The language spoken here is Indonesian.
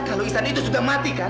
kalau isan itu sudah mati kan